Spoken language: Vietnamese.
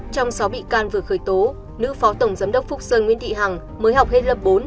trong sáu bị can vừa khởi tố nữ phó tổng giám đốc phúc sơn nguyễn thị hằng mới học hết lớp bốn